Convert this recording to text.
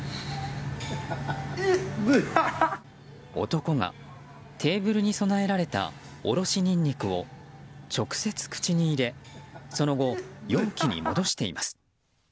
男が、テーブルに備えられたおろしにんにくを直接口に入れその後、容器に戻しています。